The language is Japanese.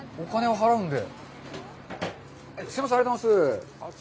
お金は払うので。